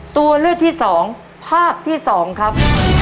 ตัวเลือดที่สองภาพที่สองครับ